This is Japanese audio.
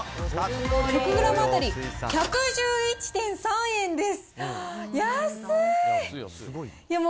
１００グラム当たり１１１．３円です。